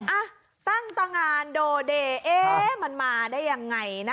อ่ะตั้งตางานโดเดย์เอ๊ะมันมาได้ยังไงนะ